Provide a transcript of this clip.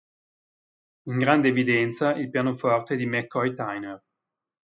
In grande evidenza il pianoforte di McCoy Tyner.